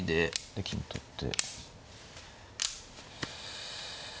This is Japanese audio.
で金取って。